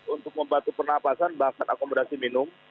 untuk membantu pernafasan bahkan akomodasi minum